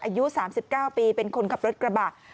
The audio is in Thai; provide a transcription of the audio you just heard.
อายุ๓๙ปีเป็นคนขับรถกระบะ